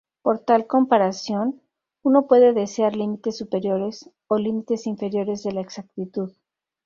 Para tal comparación, uno puede desear límites superiores o límites inferiores de la exactitud.